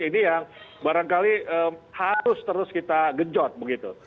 ini yang barangkali harus terus kita gejot begitu